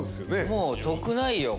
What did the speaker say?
もう得ないよ